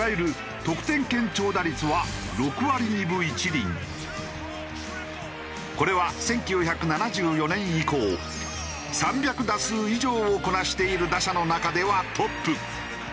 打者としてこれは１９７４年以降３００打数以上をこなしている打者の中ではトップ。